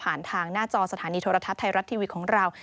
ทางหน้าจอสถานีโทรทัศน์ไทยรัฐทีวีของเรา